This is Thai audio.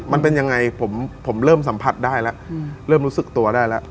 มันเป็นยังไงผมเริ่มสัมผัสได้แล้วเริ่มรู้สึกตัวได้แล้ว